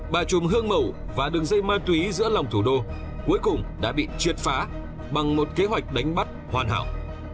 bà chùm hương mầu và đường dây ma túy giữa lòng thủ đô cuối cùng đã bị triệt phá bằng một kế hoạch đánh bắt hoàn hảo